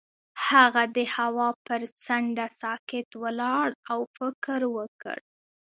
هغه د هوا پر څنډه ساکت ولاړ او فکر وکړ.